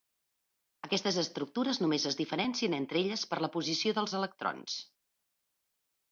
Aquestes estructures només es diferencien entre elles per la posició dels electrons.